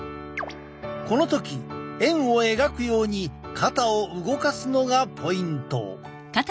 この時円を描くように肩を動かすのがポイント！